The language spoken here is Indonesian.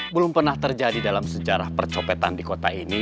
belum pernah terjadi dalam sejarah percopetan di kota ini